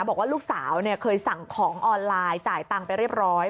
บอกว่าลูกสาวเคยสั่งของออนไลน์จ่ายตังค์ไปเรียบร้อย